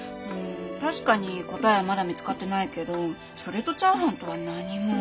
確かに答えはまだ見つかってないけどそれとチャーハンとは何も。